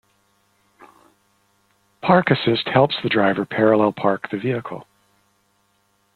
Park Assist helps the driver parallel park the vehicle.